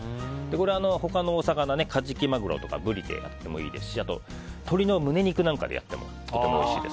他のお魚、カジキマグロやブリでやってもいいしあと、鶏の胸肉なんかでやってもおいしいです。